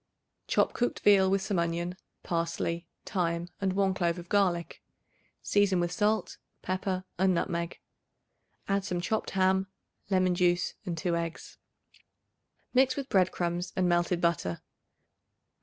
Chop cooked veal with some onion, parsley, thyme and 1 clove of garlic; season with salt, pepper and nutmeg. Add some chopped ham, lemon juice and 2 eggs. Mix with bread crumbs and melted butter.